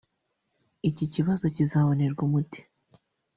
iki kibazo kizabonerwa umuti